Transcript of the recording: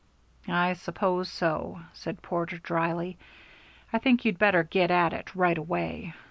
"I suppose so," said Porter, dryly. "I think you'd better get at it right away.